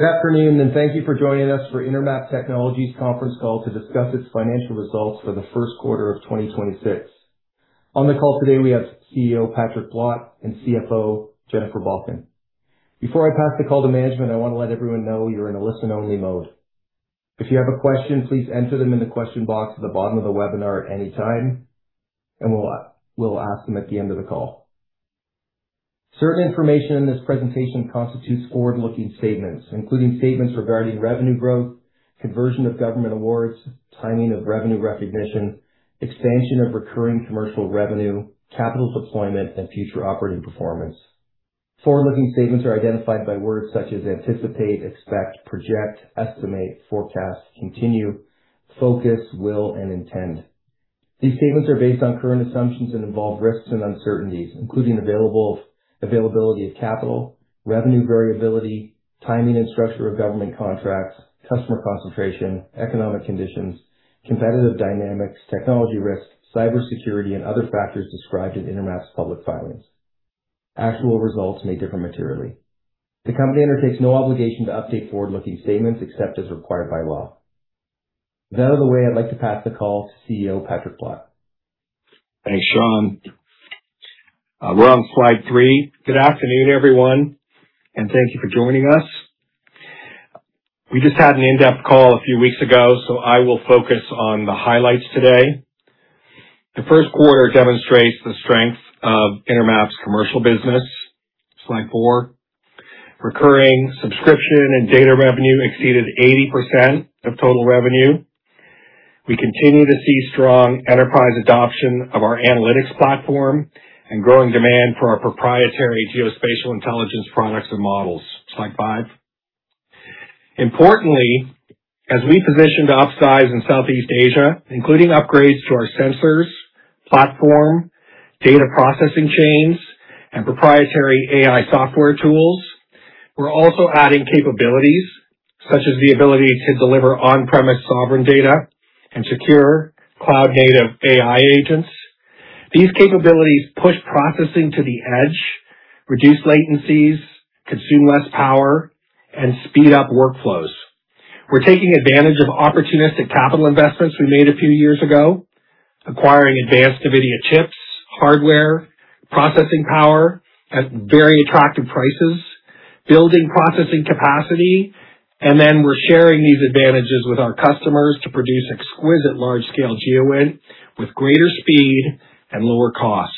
Good afternoon, thank you for joining us for Intermap Technologies conference call to discuss its financial results for the first quarter of 2026. On the call today, we have CEO Patrick Blott and CFO Jennifer Bakken. Before I pass the call to management, I wanna let everyone know you're in a listen-only mode. If you have a question, please enter them in the question box at the bottom of the webinar at any time, and we'll ask them at the end of the call. Certain information in this presentation constitutes forward-looking statements, including statements regarding revenue growth, conversion of government awards, timing of revenue recognition, expansion of recurring commercial revenue, capital deployment, and future operating performance. Forward-looking statements are identified by words such as anticipate, expect, project, estimate, forecast, continue, focus, will, and intend. These statements are based on current assumptions and involve risks and uncertainties, including availability of capital, revenue variability, timing and structure of government contracts, customer concentration, economic conditions, competitive dynamics, technology risk, cybersecurity, and other factors described in Intermap's public filings. Actual results may differ materially. The company undertakes no obligation to update forward-looking statements except as required by law. With that out of the way, I'd like to pass the call to CEO Patrick Blott. Thanks, Sean. We're on slide three. Good afternoon, everyone, and thank you for joining us. We just had an in-depth call a few weeks ago, so I will focus on the highlights today. The first quarter demonstrates the strength of Intermap's commercial business. Slide four. Recurring subscription and data revenue exceeded 80% of total revenue. We continue to see strong enterprise adoption of our analytics platform and growing demand for our proprietary geospatial intelligence products and models. Slide five. Importantly, as we position to upsize in Southeast Asia, including upgrades to our sensors, platform, data processing chains, and proprietary AI software tools, we're also adding capabilities such as the ability to deliver on-premise sovereign data and secure cloud-native AI agents. These capabilities push processing to the edge, reduce latencies, consume less power, and speed up workflows. We're taking advantage of opportunistic capital investments we made a few years ago, acquiring advanced NVIDIA chips, hardware, processing power at very attractive prices, building processing capacity, and then we're sharing these advantages with our customers to produce exquisite large-scale GEOINT with greater speed and lower cost.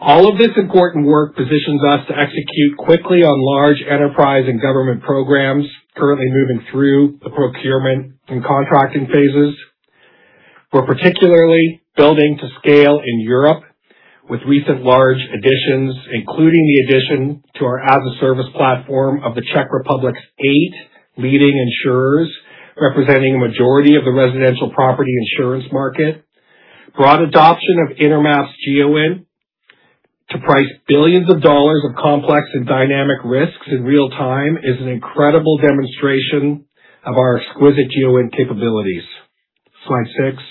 All of this important work positions us to execute quickly on large enterprise and government programs currently moving through the procurement and contracting phases. We're particularly building to scale in Europe with recent large additions, including the addition to our as a service platform of the Czech Republic's eight leading insurers, representing a majority of the residential property insurance market. Broad adoption of Intermap's GEOINT to price billions of dollars of complex and dynamic risks in real time is an incredible demonstration of our exquisite GEOINT capabilities. Slide six.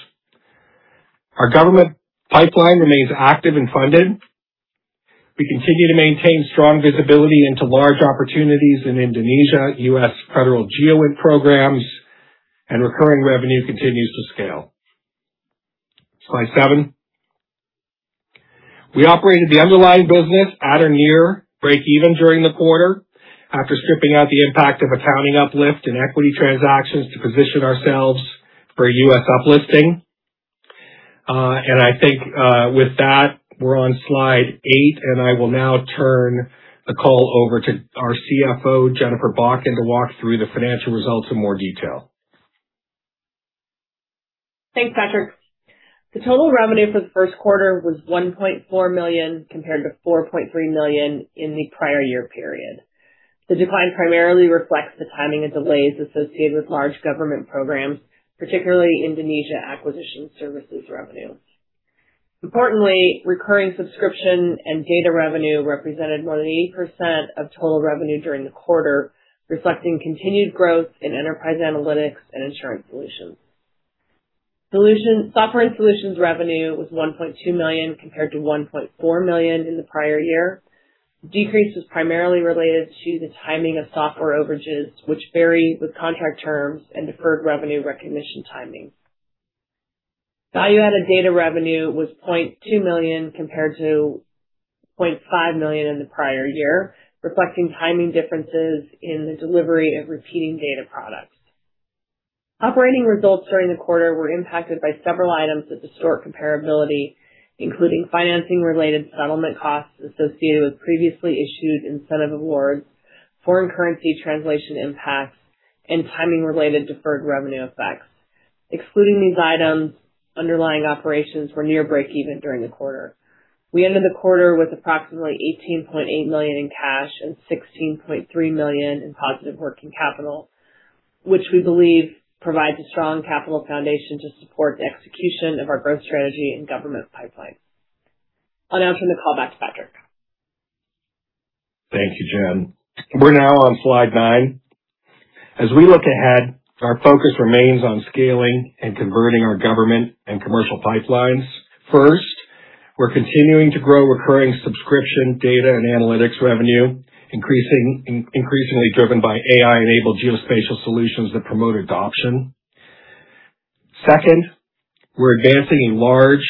Our government pipeline remains active and funded. We continue to maintain strong visibility into large opportunities in Indonesia, U.S. federal GEOINT programs. Recurring revenue continues to scale. Slide seven. We operated the underlying business at or near break even during the quarter after stripping out the impact of accounting uplist and equity transactions to position ourselves for a U.S. up-listing. I think with that, we're on slide eight. I will now turn the call over to our CFO, Jennifer Bakken, to walk through the financial results in more detail. Thanks, Patrick. The total revenue for the first quarter was 1.4 million compared to 4.3 million in the prior year period. The decline primarily reflects the timing of delays associated with large government programs, particularly Indonesia acquisition services revenue. Importantly, recurring subscription and data revenue represented more than 80% of total revenue during the quarter, reflecting continued growth in enterprise analytics and insurance solutions. Solution software and solutions revenue was 1.2 million compared to 1.4 million in the prior year. The decrease was primarily related to the timing of software overages, which vary with contract terms and deferred revenue recognition timing. Value-added data revenue was 0.2 million compared to 0.5 million in the prior year, reflecting timing differences in the delivery of repeating data products. Operating results during the quarter were impacted by several items with historic comparability, including financing-related settlement costs associated with previously issued incentive awards, foreign currency translation impacts, and timing-related deferred revenue effects. Excluding these items, underlying operations were near breakeven during the quarter. We ended the quarter with approximately 18.8 million in cash and 16.3 million in positive working capital, which we believe provides a strong capital foundation to support the execution of our growth strategy and government pipeline. I'll now turn the call back to Patrick. Thank you, Jen. We're now on slide nine. As we look ahead, our focus remains on scaling and converting our government and commercial pipelines. First, we're continuing to grow recurring subscription data and analytics revenue, increasingly driven by AI-enabled geospatial solutions that promote adoption. Second, we're advancing a large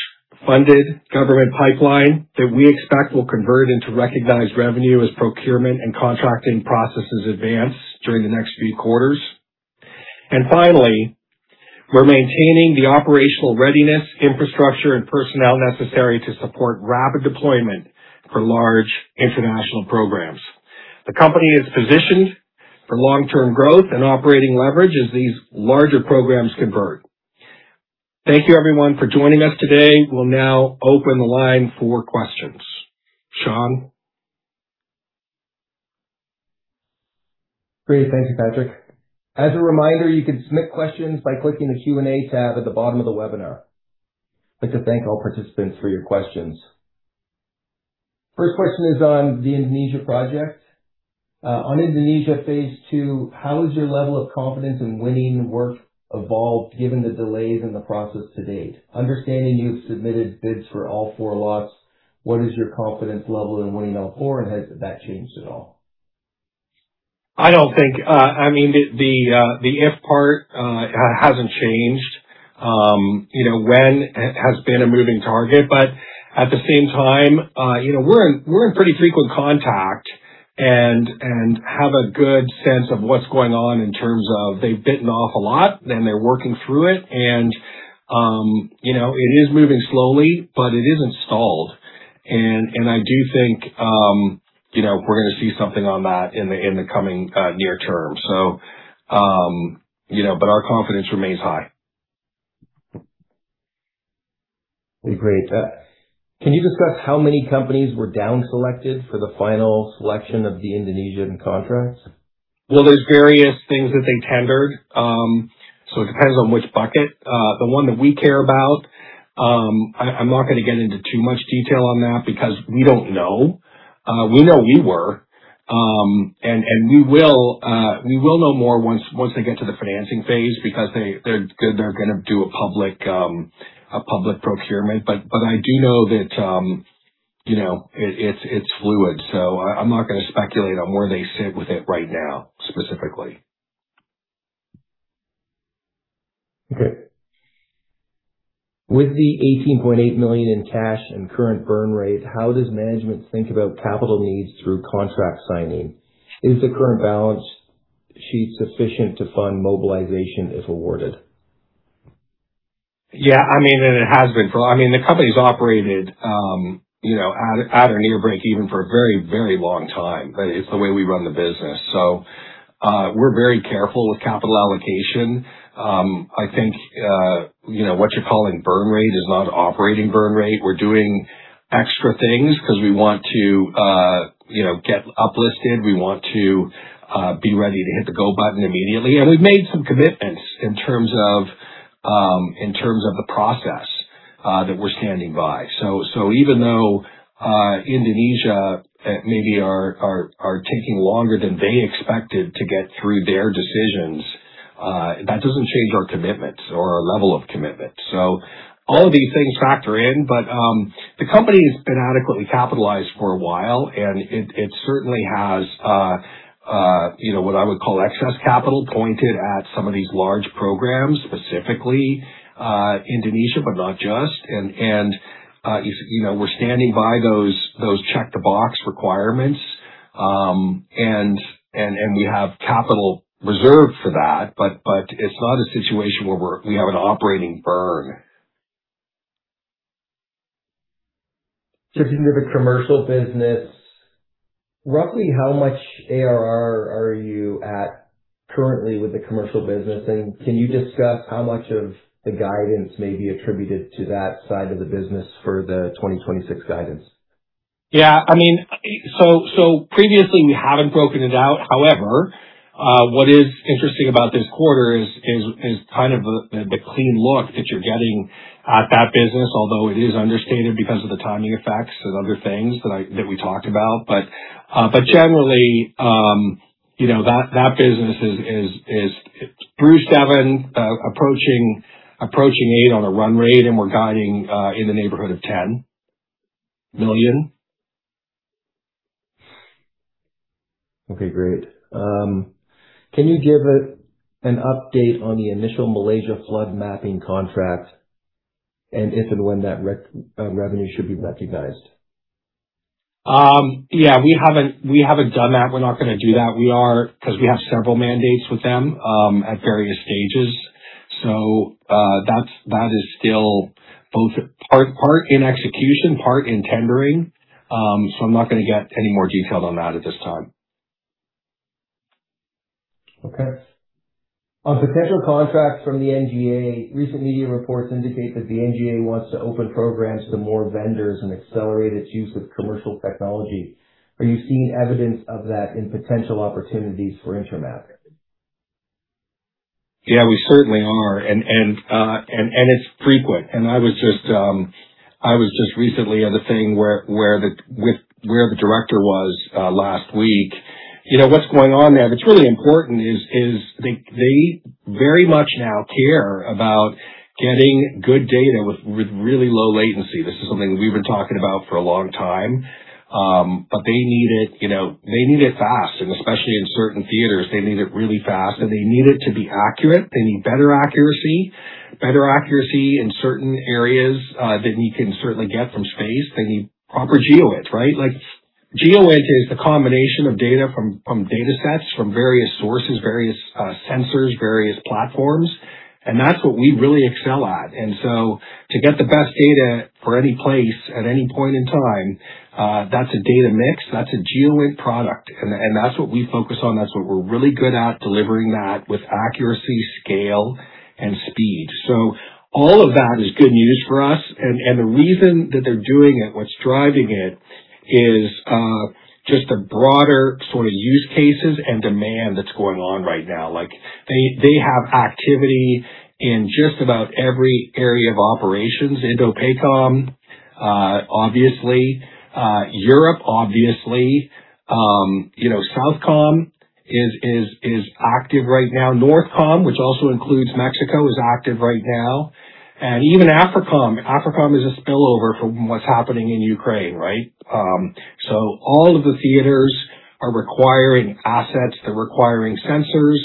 funded government pipeline that we expect will convert into recognized revenue as procurement and contracting processes advance during the next few quarters. Finally, we're maintaining the operational readiness, infrastructure, and personnel necessary to support rapid deployment for large international programs. The company is positioned for long-term growth and operating leverage as these larger programs convert. Thank you everyone for joining us today. We'll now open the line for questions. Sean? Great. Thank you, Patrick. As a reminder, you can submit questions by clicking the Q&A tab at the bottom of the webinar. I'd like to thank all participants for your questions. First question is on the Indonesia project. On Indonesia phase II, how has your level of confidence in winning work evolved given the delays in the process to date? Understanding you've submitted bids for all four lots, what is your confidence level in winning all four, and has that changed at all? I don't think, I mean, the, the if part hasn't changed. You know, when has been a moving target, but at the same time, you know, we're in, we're in pretty frequent contact and have a good sense of what's going on in terms of they've bitten off a lot, and they're working through it. You know, it is moving slowly, but it isn't stalled. I do think, you know, we're gonna see something on that in the, in the coming near term. You know, but our confidence remains high. Okay, great. Can you discuss how many companies were down selected for the final selection of the Indonesian contracts? Well, there's various things that they tendered, so it depends on which bucket. The one that we care about, I'm not gonna get into too much detail on that because we don't know. We will know more once they get to the financing phase because they're gonna do a public procurement. I do know that, you know, it's fluid, so I'm not gonna speculate on where they sit with it right now, specifically. Okay. With the 18.8 million in cash and current burn rate, how does management think about capital needs through contract signing? Is the current balance sheet sufficient to fund mobilization if awarded? Yeah. I mean, it has been for I mean, the company's operated, you know, at or near breakeven for a very, very long time. That is the way we run the business. We're very careful with capital allocation. I think, you know, what you're calling burn rate is not operating burn rate. We're doing extra things because we want to, you know, get uplisted. We want to be ready to hit the go button immediately. We've made some commitments in terms of, in terms of the process that we're standing by. Even though Indonesia maybe are taking longer than they expected to get through their decisions, that doesn't change our commitments or our level of commitment. All of these things factor in. The company's been adequately capitalized for a while, and it certainly has, you know, what I would call excess capital pointed at some of these large programs, specifically, Indonesia, but not just. You know, we're standing by those check the box requirements. We have capital reserved for that. It's not a situation where we have an operating burn. Shifting to the commercial business. Roughly how much ARR are you at currently with the commercial business? Can you discuss how much of the guidance may be attributed to that side of the business for the 2026 guidance? Yeah. I mean, so previously we haven't broken it out. What is interesting about this quarter is kind of the clean look that you're getting at that business, although it is understated because of the timing effects and other things that we talked about. Generally, you know, that business is through seven, approaching eight on a run rate. We're guiding in the neighborhood of 10 million. Okay, great. Can you give an update on the initial Malaysia flood mapping contract and if and when that revenue should be recognized? Yeah. We haven't done that. We're not gonna do that. Because we have several mandates with them at various stages. That is still both part in execution, part in tendering. I'm not gonna get any more detailed on that at this time. Okay. On potential contracts from the NGA, recent media reports indicate that the NGA wants to open programs to more vendors and accelerate its use of commercial technology. Are you seeing evidence of that in potential opportunities for Intermap? Yeah, we certainly are. It's frequent. I was just recently at a thing where the director was last week. You know, what's going on there that's really important is they very much now care about getting good data with really low latency. This is something we've been talking about for a long time. They need it, you know, they need it fast, and especially in certain theaters, they need it really fast, and they need it to be accurate. They need better accuracy in certain areas than you can certainly get from space. They need proper GEOINT, right? Like GEOINT is the combination of data from datasets, from various sources, various sensors, various platforms. That's what we really excel at. To get the best data for any place at any point in time, that's a data mix, that's a GEOINT product. That's what we focus on. That's what we're really good at, delivering that with accuracy, scale and speed. All of that is good news for us. The reason that they're doing it, what's driving it, is just the broader sort of use cases and demand that's going on right now. Like they have activity in just about every area of operations. INDOPACOM, obviously, Europe obviously. You know, SOUTHCOM is active right now. NORTHCOM, which also includes Mexico, is active right now. Even AFRICOM. AFRICOM is a spillover from what's happening in Ukraine, right? All of the theaters are requiring assets, they're requiring sensors,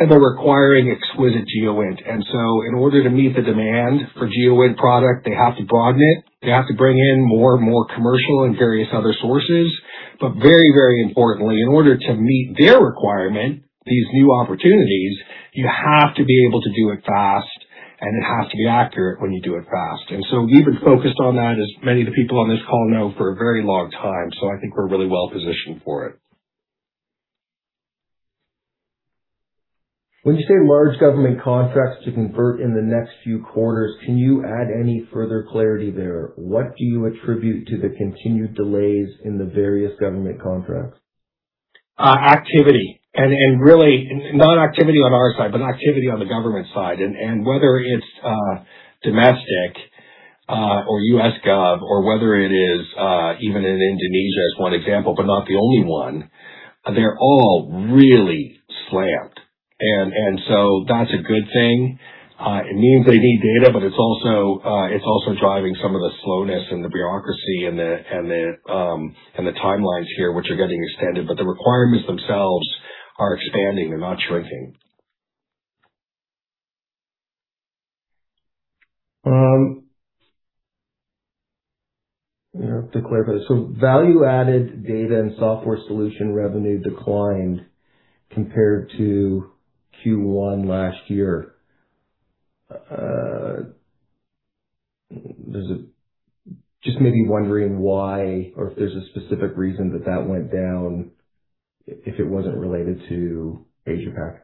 and they're requiring exquisite GEOINT. In order to meet the demand for GEOINT product, they have to broaden it. They have to bring in more and more commercial and various other sources. Very, very importantly, in order to meet their requirement, these new opportunities, you have to be able to do it fast and it has to be accurate when you do it fast. We've been focused on that, as many of the people on this call know, for a very long time. I think we're really well positioned for it. When you say large government contracts to convert in the next few quarters, can you add any further clarity there? What do you attribute to the continued delays in the various government contracts? Activity and really not activity on our side, but activity on the government side and whether it's domestic or U.S. gov or whether it is even in Indonesia as one example, but not the only one. They're all really slammed. That's a good thing. It means they need data, but it's also driving some of the slowness and the bureaucracy and the timelines here, which are getting extended. The requirements themselves are expanding, they're not shrinking. To clarify, value-added data and software solution revenue declined compared to Q1 last year. Just maybe wondering why or if there's a specific reason that went down, if it wasn't related to AsiaPac.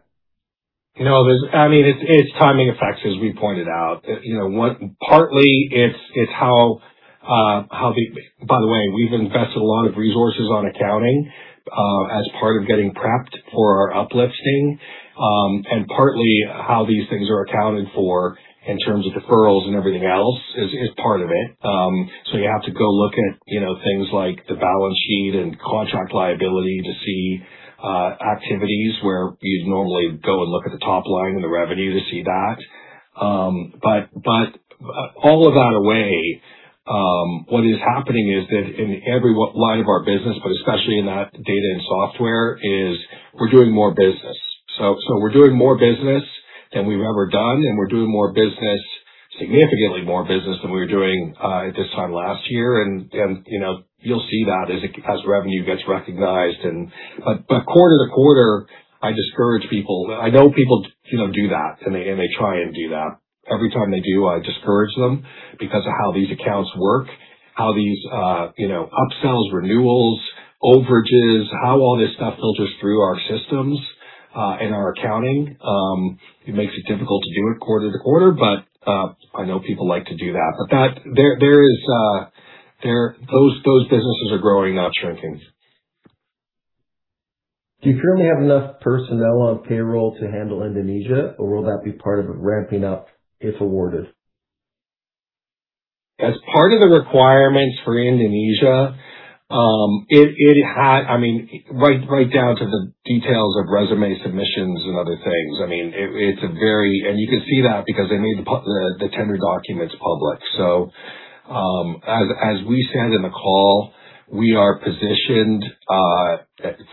You know, there's, I mean, it's timing effects, as we pointed out. You know what? Partly it's how. By the way, we've invested a lot of resources on accounting as part of getting prepped for our uplisting. Partly how these things are accounted for in terms of deferrals and everything else is part of it. You have to go look at, you know, things like the balance sheet and contract liability to see activities where you'd normally go and look at the top line and the revenue to see that. All of that away, what is happening is that in every line of our business, but especially in that data and software, is we're doing more business. We're doing more business than we've ever done, and we're doing more business, significantly more business than we were doing, at this time last year. You know, you'll see that as revenue gets recognized and quarter-to-quarter, I discourage people. I know people, you know, do that, and they try and do that. Every time they do, I discourage them because of how these accounts work, how these upsells, renewals, overages, how all this stuff filters through our systems, and our accounting. It makes it difficult to do it quarter-to-quarter. I know people like to do that, but that there is those businesses are growing, not shrinking. Do you currently have enough personnel on payroll to handle Indonesia or will that be part of ramping up if awarded? As part of the requirements for Indonesia, it had. I mean, right down to the details of resume submissions and other things. I mean, it's a very. You can see that because they made the tender documents public. As we said in the call, we are positioned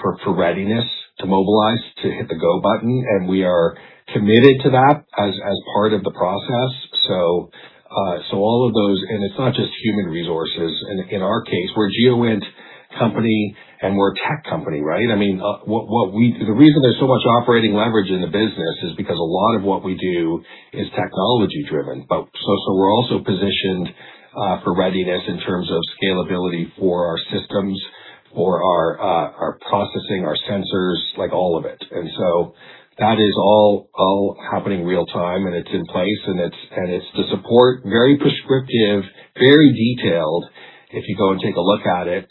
for readiness to mobilize to hit the go button. We are committed to that as part of the process. All of those. It's not just human resources. In our case, we're a GEOINT company and we're a tech company, right? I mean, what we. The reason there's so much operating leverage in the business is because a lot of what we do is technology driven. We're also positioned for readiness in terms of scalability for our systems, for our processing, our sensors, like all of it. That is happening real time and it's in place and it's support, very prescriptive, very detailed, if you go and take a look at it,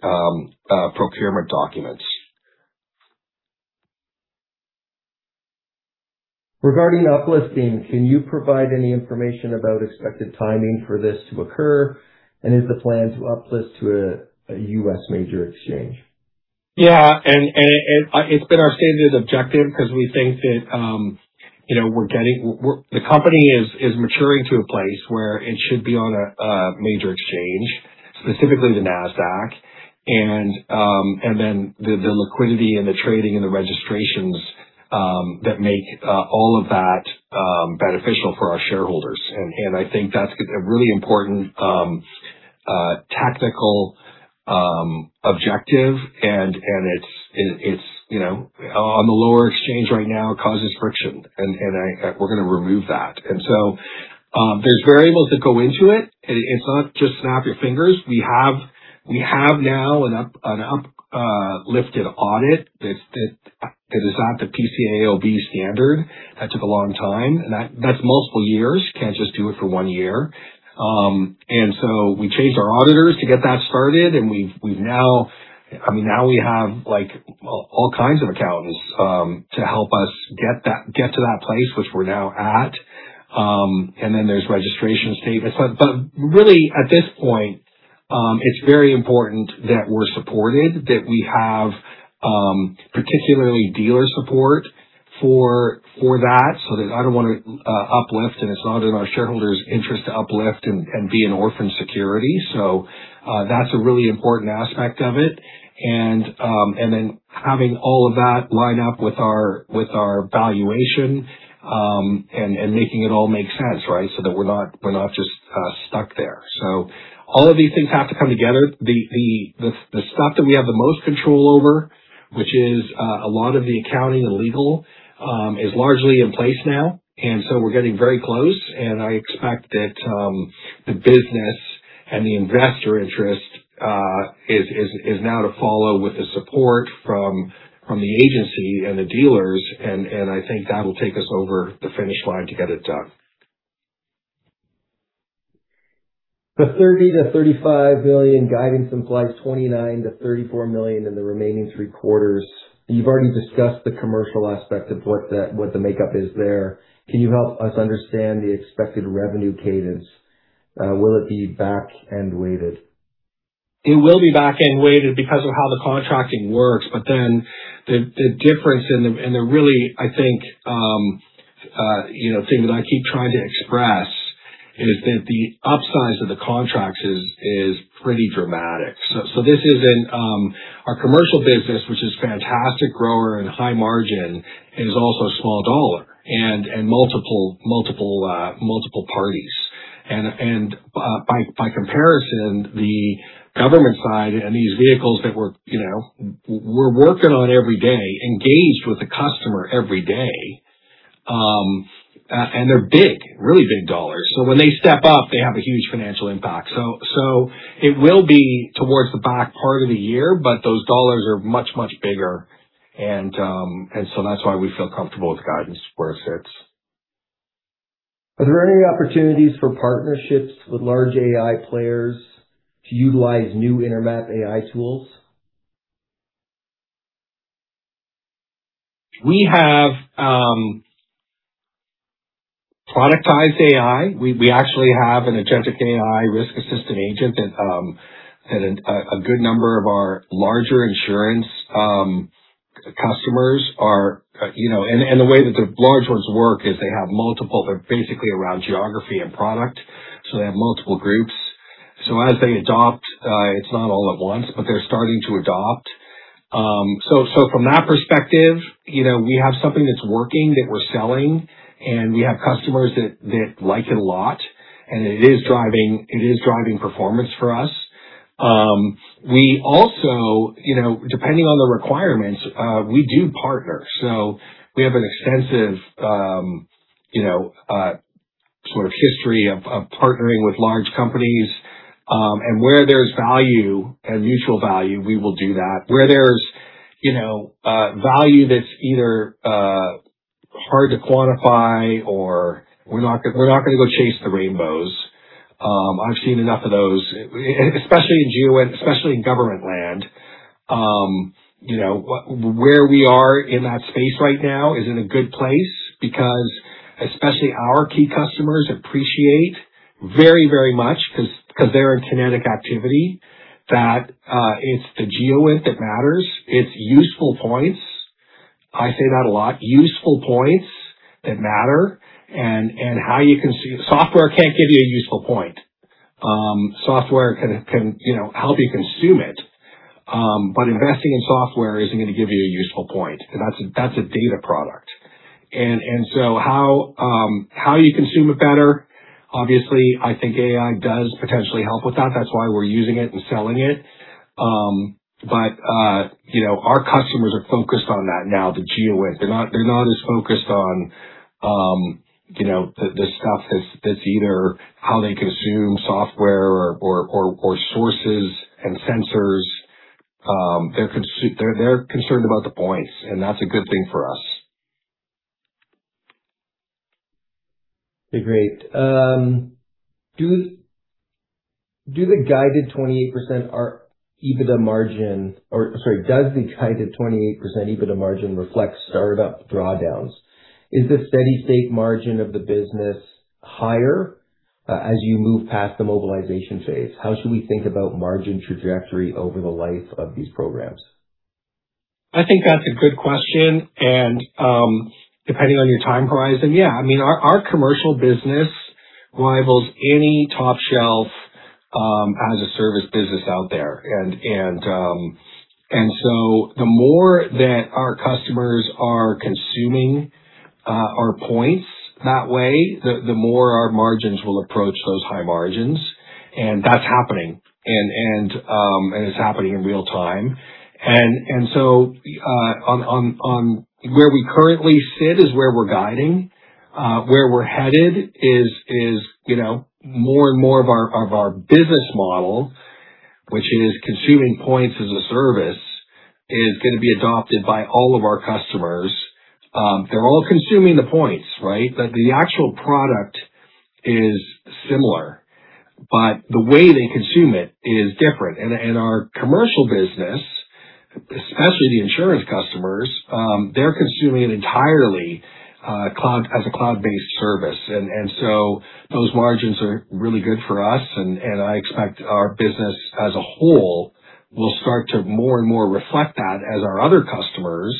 procurement documents. Regarding uplisting, can you provide any information about expected timing for this to occur? Is the plan to uplift to a U.S. major exchange? It's been our stated objective because we think that, you know, the company is maturing to a place where it should be on a major exchange, specifically the Nasdaq, and then the liquidity and the trading and the registrations that make all of that beneficial for our shareholders. I think that's a really important tactical objective. It's, you know, on the lower exchange right now, it causes friction. We're gonna remove that. There's variables that go into it. It's not just snap your fingers. We have now an uplisted audit that's at the PCAOB standard. That took a long time. That's multiple years. Can't just do it for one year. We changed our auditors to get that started, and we've now I mean, now we have, like, all kinds of accountants, to help us get to that place, which we're now at. There's registration statements. Really at this point, it's very important that we're supported, that we have particularly dealer support for that, so that I don't wanna uplift, and it's not in our shareholders' interest to uplift and be an orphan security. That's a really important aspect of it. Having all of that line up with our, with our valuation, and making it all make sense, right? That we're not just stuck there. All of these things have to come together. The stuff that we have the most control over, which is a lot of the accounting and legal, is largely in place now. We're getting very close. I expect that the business and the investor interest is now to follow with the support from the agency and the dealers. I think that'll take us over the finish line to get it done. The 30 million-35 million guidance implies 29 million-34 million in the remaining three quarters. You've already discussed the commercial aspect of what that, what the makeup is there. Can you help us understand the expected revenue cadence? Will it be back-end weighted? It will be back-end weighted because of how the contracting works. The difference and the really I think you know thing that I keep trying to express is that the upsize of the contracts is pretty dramatic. This is in our commercial business which is fantastic grower and high margin and is also small dollar and multiple parties. By comparison the government side and these vehicles that we're you know we're working on every day engaged with the customer every day and they're big really big dollars. It will be towards the back part of the year but those dollars are much bigger. That's why we feel comfortable with the guidance where it sits. Are there any opportunities for partnerships with large AI players to utilize new Intermap AI tools? We have productized AI. We actually have an agentic AI risk assistant agent that a good number of our larger insurance customers are, you know. The way that the large ones work is they have multiple. They're basically around geography and product, so they have multiple groups. As they adopt, it's not all at once, but they're starting to adopt. From that perspective, you know, we have something that's working that we're selling, and we have customers that like it a lot, and it is driving performance for us. We also, you know, depending on the requirements, we do partner. We have an extensive, you know, sort of history of partnering with large companies. Where there's value and mutual value, we will do that. Where there's, you know, value that's either hard to quantify or we're not gonna go chase the rainbows. I've seen enough of those, especially in GEOINT, especially in government land. You know, where we are in that space right now is in a good place because especially our key customers appreciate very, very much because they're in kinetic activity, that it's the GEOINT that matters. It's useful points. I say that a lot. Useful points that matter and how you consume software can't give you a useful point. Software can, you know, help you consume it. But investing in software isn't gonna give you a useful point. That's a data product. So how you consume it better, obviously, I think AI does potentially help with that. That's why we're using it and selling it. You know, our customers are focused on that now, the GEOINT. They're not as focused on, you know, the stuff that's either how they consume software or sources and sensors. They're concerned about the points, and that's a good thing for us. Okay, great. Does the guided 28% EBITDA margin reflect startup drawdowns? Is the steady-state margin of the business higher, as you move past the mobilization phase? How should we think about margin trajectory over the life of these programs? I think that's a good question and, depending on your time horizon, yeah. I mean our commercial business rivals any top shelf, as-a-service business out there. The more that our customers are consuming our points that way, the more our margins will approach those high margins. That's happening and it's happening in real time. On where we currently sit is where we're guiding. Where we're headed is, you know, more and more of our business model, which is consuming points as a service, is gonna be adopted by all of our customers. They're all consuming the points, right? The actual product is similar, but the way they consume it is different. Our commercial business, especially the insurance customers, they're consuming it entirely cloud as a cloud-based service. So those margins are really good for us and I expect our business as a whole will start to more and more reflect that as our other customers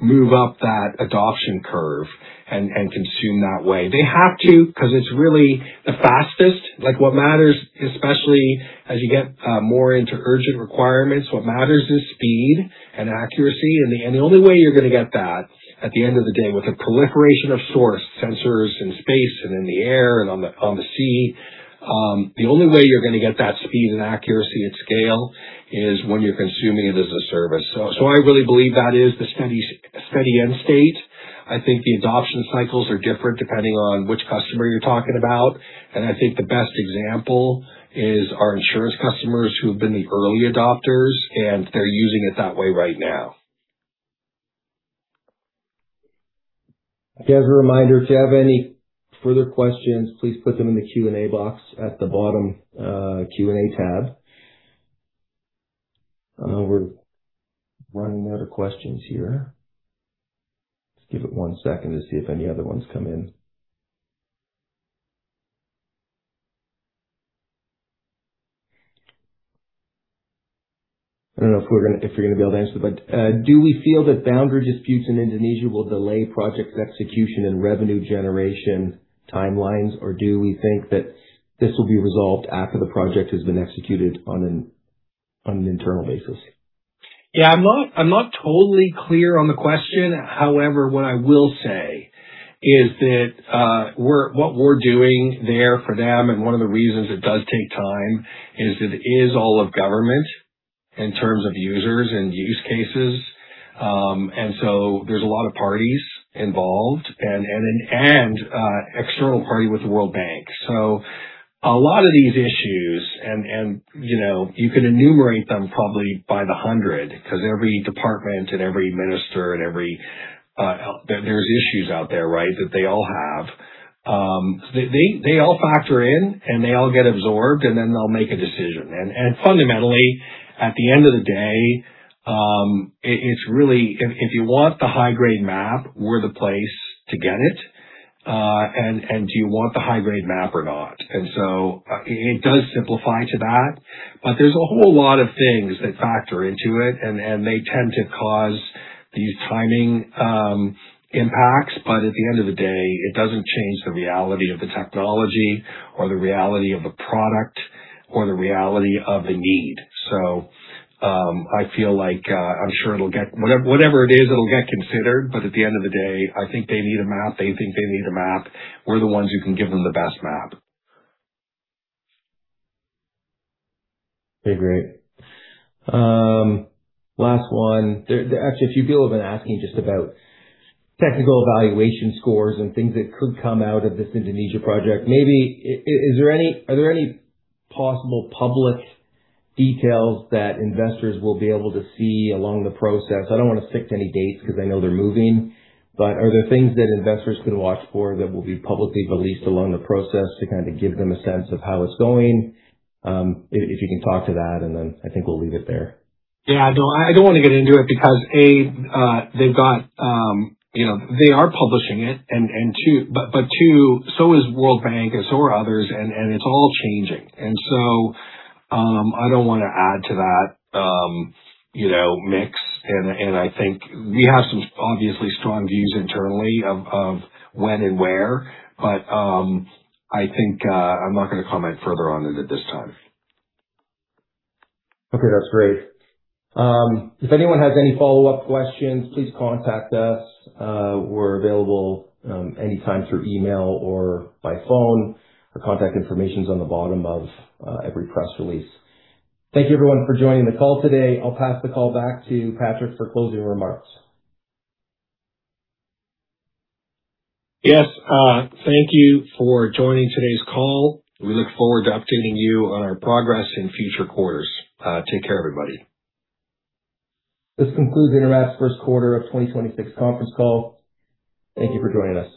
move up that adoption curve and consume that way. They have to because it's really the fastest. Like, what matters, especially as you get more into urgent requirements, what matters is speed and accuracy. The only way you're gonna get that at the end of the day with the proliferation of source sensors in space and in the air and on the sea, the only way you're gonna get that speed and accuracy at scale is when you're consuming it as a service. I really believe that is the steady end state. I think the adoption cycles are different depending on which customer you're talking about. I think the best example is our insurance customers who have been the early adopters, and they're using it that way right now. Just a reminder, if you have any further questions, please put them in the Q&A box at the bottom, Q&A tab. I know we're running out of questions here. Let's give it one second to see if any other ones come in. I don't know if you're gonna be able to answer, but, do we feel that boundary disputes in Indonesia will delay project execution and revenue generation timelines? Do we think that this will be resolved after the project has been executed on an internal basis? Yeah. I'm not totally clear on the question. However, what I will say is that what we're doing there for them, and one of the reasons it does take time is it is all of government in terms of users and use cases. There's a lot of parties involved and an external party with the World Bank. A lot of these issues and, you know, you could enumerate them probably by the hundred because every department and every minister and every there's issues out there, right? That they all have. They all factor in and they all get absorbed, and then they'll make a decision. Fundamentally, at the end of the day, it's really if you want the high-grade map, we're the place to get it. Do you want the high-grade map or not? It does simplify to that. There's a whole lot of things that factor into it and they tend to cause these timing impacts. At the end of the day, it doesn't change the reality of the technology or the reality of the product or the reality of the need. I feel like I'm sure whatever it is, it'll get considered, but at the end of the day, I think they need a map. They think they need a map. We're the ones who can give them the best map. Okay, great. Last one. There actually a few people have been asking just about technical evaluation scores and things that could come out of this Indonesia project. Maybe are there any possible public details that investors will be able to see along the process? I don't wanna stick to any dates because I know they're moving, but are there things that investors could watch for that will be publicly released along the process to kind of give them a sense of how it's going? If you can talk to that, and then I think we'll leave it there. Yeah, no, I don't want to get into it because, they've got, you know, they are publishing it. Two, so is World Bank and so are others, and it's all changing. I don't wanna add to that, you know, mix. I think we have some obviously strong views internally of when and where, but I think I'm not gonna comment further on it at this time. Okay, that's great. If anyone has any follow-up questions, please contact us. We're available, anytime through email or by phone. Our contact information is on the bottom of every press release. Thank you everyone for joining the call today. I'll pass the call back to Patrick for closing remarks. Yes. Thank you for joining today's call. We look forward to updating you on our progress in future quarters. Take care, everybody. This concludes Intermap's first quarter of 2026 conference call. Thank you for joining us.